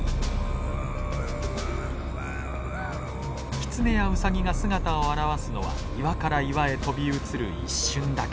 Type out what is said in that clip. キツネやウサギが姿を現すのは岩から岩へ飛び移る一瞬だけ。